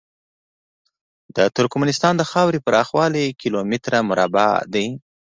د ترکمنستان د خاورې پراخوالی کیلو متره مربع دی.